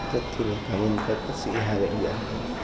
rất thì cảm ơn các bác sĩ hai bệnh viện